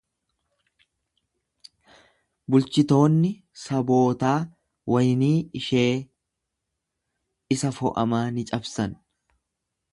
Bulchitoonni sabootaa waynii ishee isa fo'amaa ni cabsan.